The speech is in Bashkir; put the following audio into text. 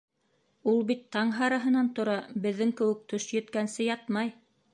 Ул бит таң һарыһынан тора, беҙҙең кеүек төш еткәнсе ятмай!